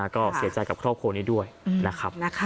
ก็เสียใจกับครอบครัวนี้ด้วยนะครับ